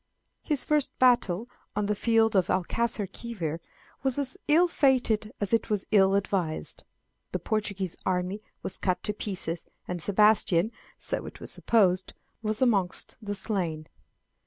His first battle on the field of Alcaçarquivir was as ill fated as it was ill advised; the Portuguese army was cut to pieces, and Sebastian, so it was supposed, was amongst the slain.